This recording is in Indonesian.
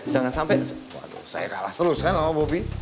jangan sampai waduh saya kalah terus kan sama bobi